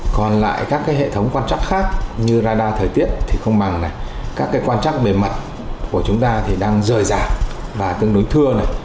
còn lại các hệ thống quan trắc khác như radar thời tiết thì không bằng các quan trắc bề mặt của chúng ta thì đang rời rạc và tương đối thưa